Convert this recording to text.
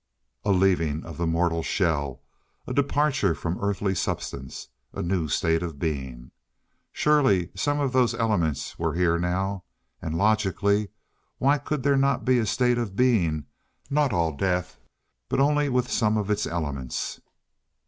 A leaving of the mortal shell? A departure from earthly substance? A new state of being? Surely some of those elements were here now. And, logically, why could there not be a state of being not all Death, but only with some of its elements?